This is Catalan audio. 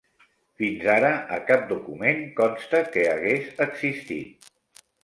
Fins ara, a cap document consta que hagués existit.